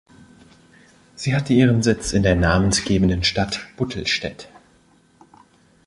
Sie hatte ihren Sitz in der namensgebenden Stadt Buttelstedt.